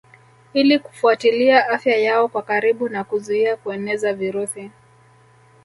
Ili kufuatilia afya yao kwa karibu na kuzuia kueneza virusi